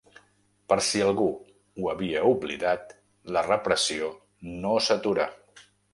Per si algú ho havia oblidat, la repressió no s’atura.